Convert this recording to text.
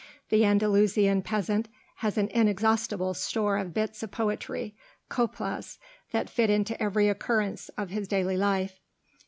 The Andalusian peasant has an inexhaustible store of bits of poetry, coplas, that fit into every occurrence of his daily life.